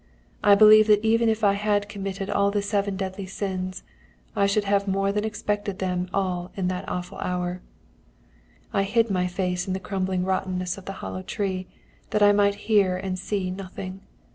I believe that even if I had committed all the seven deadly sins, I should have more than expiated them all in that awful hour. I hid my face in the crumbling rottenness of the hollow tree, that I might hear and see nothing.